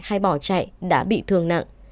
hay bỏ chạy đã bị thương nặng